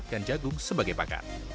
jadikan jagung sebagai pakar